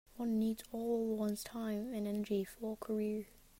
One needs all one's time and energy for a career.